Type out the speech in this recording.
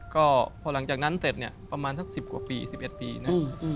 ก็พอหลังจากนั้นเสร็จเนี่ยประมาณสักสิบกว่าปีสิบเอ็ดปีเนี่ย